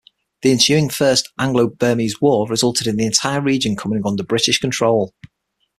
The ensuing First Anglo-Burmese War resulted in the entire region coming under British control.